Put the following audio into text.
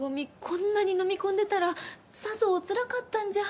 こんなにのみ込んでたらさぞおつらかったんじゃ？